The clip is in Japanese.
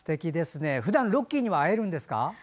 ふだん、ロッキーには会えるんですか？